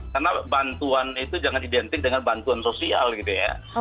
karena bantuan itu jangan identik dengan bantuan sosial gitu ya